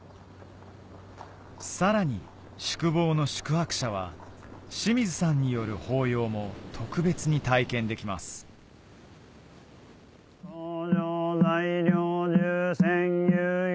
さらに宿坊の宿泊者は清水さんによる法要も特別に体験できますおぉ。